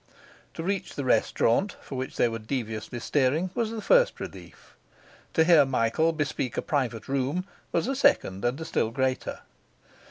To reach the restaurant, for which they were deviously steering, was the first relief. To hear Michael bespeak a private room was a second and a still greater.